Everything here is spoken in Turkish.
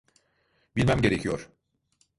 Bilmem gerekiyor.